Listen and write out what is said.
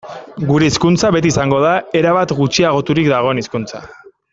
Gure hizkuntza beti izango da erabat gutxiagoturik dagoen hizkuntza.